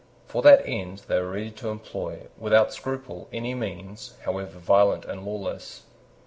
For that end they were ready to employ, without scruple, any means, however violent and lawless.